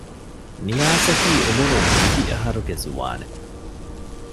ނިޔާސަކީ އުމުރުން ވިހި އަހަރުގެ ޒުވާނެއް